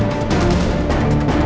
lagi lagi luk beau dia